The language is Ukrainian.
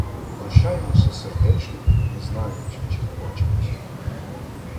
Прощаємося сердечно, не знаючи, чи побачимося.